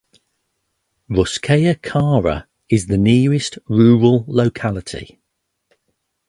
Russkaya Kara is the nearest rural locality.